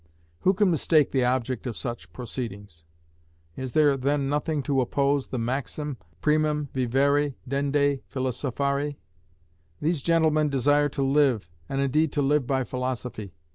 Who can mistake the object of such proceedings? Is there then nothing to oppose to the maxim, primum vivere, deinde philosophari? These gentlemen desire to live, and indeed to live by philosophy.